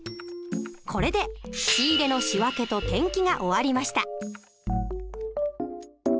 これで仕入の仕訳と転記が終わりました。